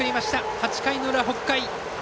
８回の裏、北海。